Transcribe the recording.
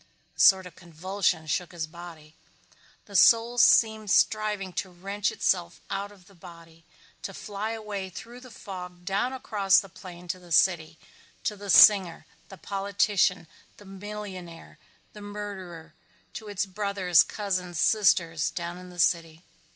A sort of convulsion shook his body. The soul seemed striving to wrench itself out of the body, to fly away through the fog down across the plain to the city, to the singer, the politician, the millionaire, the murderer, to its brothers, cousins, sisters, down in the city.